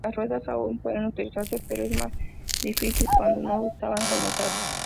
Las ruedas aún pueden utilizarse, pero es más difícil cuando no estaban conectados.